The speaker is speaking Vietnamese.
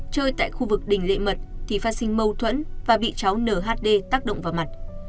chơi tại khu vực đinh lệ mật thì phát sinh mâu thuẫn và bị cháu nửa hd tác động vào mặt